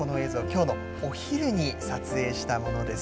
今日のお昼に撮影したものです。